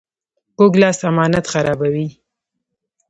کوږ لاس امانت خرابوي